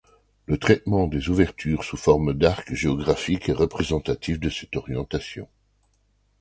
Le traitement des ouvertures sous forme d'arcs géographiques est représentatif de cette orientation.